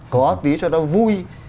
có tí cho nó vui